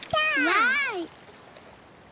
わい！